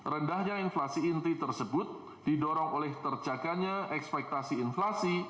rendahnya inflasi inti tersebut didorong oleh terjaganya ekspektasi inflasi